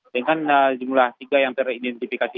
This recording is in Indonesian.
dengan jumlah tiga yang teridentifikasi